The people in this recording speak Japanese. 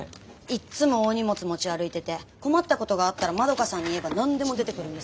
いっつも大荷物持ち歩いてて困ったことがあったら窓花さんに言えば何でも出てくるんです。